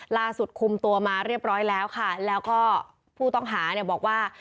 คุมตัวมาเรียบร้อยแล้วค่ะแล้วก็ผู้ต้องหาเนี่ยบอกว่า